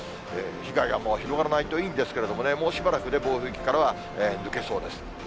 被害がもう広がらないといいんですけどね、もうしばらく、暴風域からは抜けそうです。